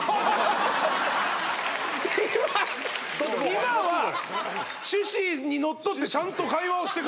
今は趣旨にのっとってちゃんと会話をしてくれてた。